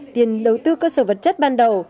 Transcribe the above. tiền đầu tư cơ sở vật chất ban đầu